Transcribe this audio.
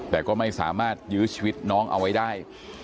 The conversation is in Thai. แต่ก็ไม่สามารถยื้อชีวิตน้องเอาไว้ได้